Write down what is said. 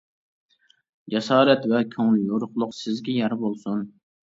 جاسارەت ۋە كۆڭلى يورۇقلۇق سىزگە يار بولسۇن!